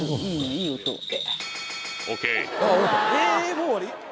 もう終わり？